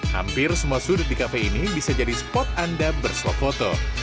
hampir semua sudut di kafe ini bisa jadi spot anda bersuap foto